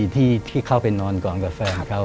ที่เข้าไปนอนก่อนกับแฟนเขา